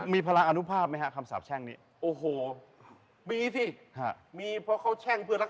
มีพลาคอนุภาพไหมครับคำสาบแช่งเป็น